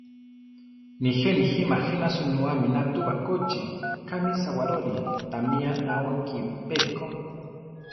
Nijé nijíma jéna sunú aminá tu bakóchi, kami Sawaróri, támi anáwiki pe ríko.